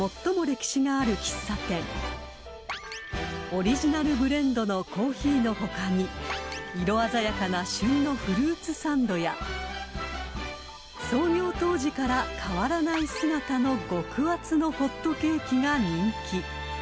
［オリジナルブレンドのコーヒーの他に色鮮やかな旬のフルーツサンドや創業当時から変わらない姿の極厚のホットケーキが人気］